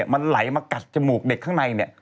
มันไหลมากัดจมูกเด็กข้างในเนี่ย